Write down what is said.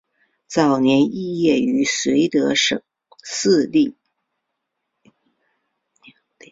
早年肄业于绥德省立第四师范学校肄业。